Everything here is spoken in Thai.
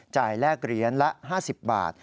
แลกเหรียญละ๕๐บาท